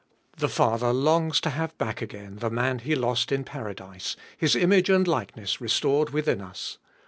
The Father longs to have back again the man He lost in paradise, His image and likeness restored within us.